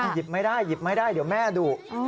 หยิบไม่ได้หยิบไม่ได้เดี๋ยวแม่ดุ